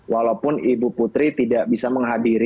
walaupun ibu putri tidak bisa menghadiri